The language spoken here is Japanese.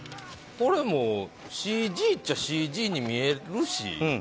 これもＣＧっちゃＣＧに見えるし。